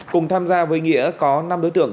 cùng tham gia với nghĩa có năm đối tượng